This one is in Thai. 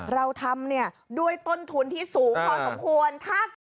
เราทำเนี่ยด้วยต้นทุนที่สูงพอสมควร